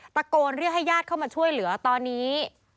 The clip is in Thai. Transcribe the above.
ตะโกนเรียกให้ญาติเข้ามาช่วยเหลือตอนนี้